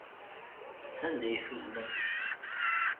Sanda ay t-tuznem?